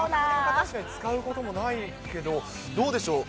確かに使うこともないけど、どうでしょう？